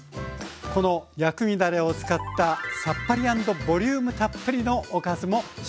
この薬味だれを使ったさっぱり＆ボリュームたっぷりのおかずも紹介します。